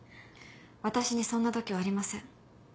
私にそんな度胸ありません。